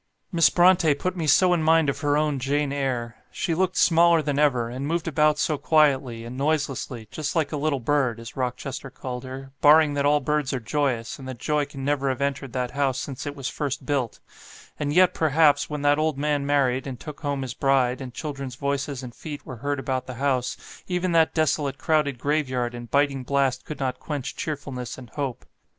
"Miss Brontë put me so in mind of her own 'Jane Eyre.' She looked smaller than ever, and moved about so quietly, and noiselessly, just like a little bird, as Rochester called her, barring that all birds are joyous, and that joy can never have entered that house since it was first built; and yet, perhaps, when that old man married, and took home his bride, and children's voices and feet were heard about the house, even that desolate crowded grave yard and biting blast could not quench cheerfulness and hope.